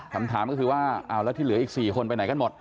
คำถามก็คือว่าเอาแล้วที่เหลืออีก๔คนไปไหนกันหมด